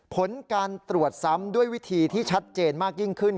ผลการตรวจซ้ำด้วยวิธีที่ชัดเจนมากยิ่งขึ้น